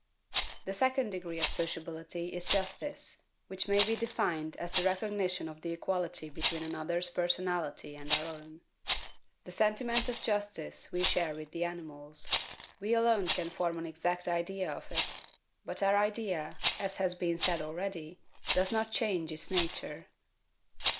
The second degree of sociability is justice, which may be defined as the RECOGNITION OF THE EQUALITY BETWEEN ANOTHER'S PERSONALITY AND OUR OWN. The sentiment of justice we share with the animals; we alone can form an exact idea of it; but our idea, as has been said already, does not change its nature.